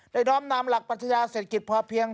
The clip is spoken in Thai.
ได้น้อมนามหลักปัญชยาเศรษฐกิจพอเพียง